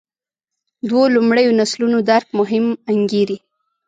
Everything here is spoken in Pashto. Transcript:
دوو لومړیو نسلونو درک مهم انګېري.